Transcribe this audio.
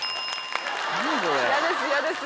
嫌です嫌です。